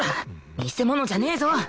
見せ物じゃねえぞ！